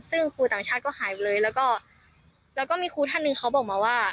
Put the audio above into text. ซึ่งครูต่างชาติก็หายไปเลยแล้วก็มีครูท่านหนึ่งเขาบอกมาว่า